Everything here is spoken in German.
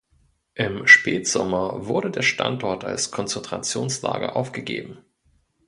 Im Spätsommer wurde der Standort als Konzentrationslager aufgegeben.